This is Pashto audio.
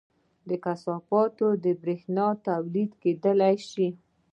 له کثافاتو بریښنا تولید کیدی شي